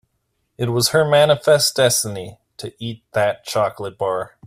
It was her manifest destiny to eat that chocolate bar.